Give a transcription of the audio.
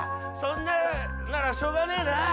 そんならしょうがねえな。